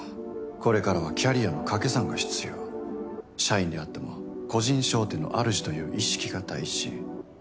これからはキャリアの掛け算が必要社員であっても個人商店のあるじという意識が大事。